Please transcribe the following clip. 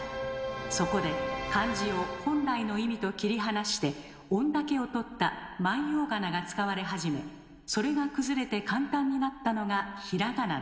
そこで漢字を本来の意味と切り離して音だけをとった万葉仮名が使われ始めそれが崩れて簡単になったのがひらがなです。